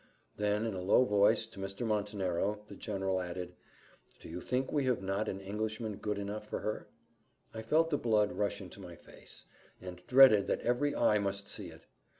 Then, in a low voice, to Mr. Montenero, the general added, "Do you think we have not an Englishman good enough for her?" I felt the blood rush into my face, and dreaded that every eye must see it.